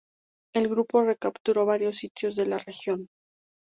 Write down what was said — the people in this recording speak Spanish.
El grupo recapturó varios sitios de la región.